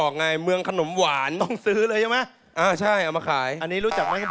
ขนมอะไรครับ